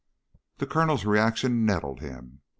The Colonel's reaction nettled him.